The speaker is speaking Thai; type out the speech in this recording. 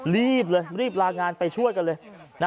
รีบเลยรีบลางานไปช่วยกันเลย